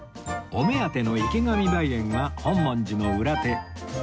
お目当ての池上梅園は本門寺の裏手